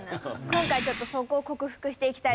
今回ちょっとそこを克服していきたいと思います。